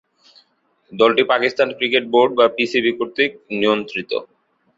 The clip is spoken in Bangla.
দলটি পাকিস্তান ক্রিকেট বোর্ড বা পিসিবি কর্তৃক নিয়ন্ত্রিত।